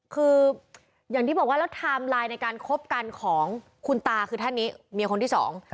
คืออย่างที่บอกว่าแล้วไทม์ไลน์ในการคบกันของคุณตาคือท่านนี้เมียคนที่สอง